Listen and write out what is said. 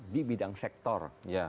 di bidang sektor